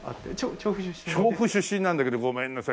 調布出身なんだけどごめんなさい